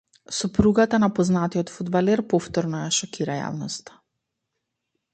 Сопругата на познатиот фудбалер повторно ја шокира јавноста